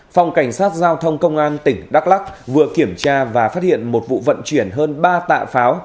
phòng cảnh sát giao thông công an tỉnh đắk lắc vừa kiểm tra và phát hiện một vụ vận chuyển hơn ba tạ pháo